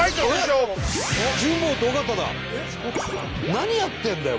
何やってるんだよ